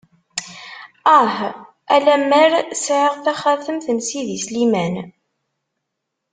Ah...! A lammer sɛiɣ taxatemt n sidi Sliman!